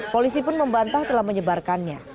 polisi pun membantah telah menyebarkannya